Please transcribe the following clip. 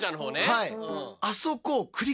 はい。